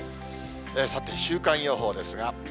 さて、週間予報ですが。